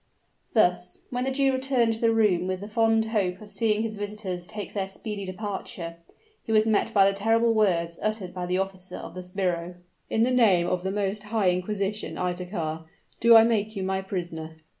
Thus, when the Jew returned to the room with the fond hope of seeing his visitors take their speedy departure, he was met by the terrible words, uttered by the officer of the sbirri. "In the name of the most high inquisition, Isaachar, do I make you my prisoner!"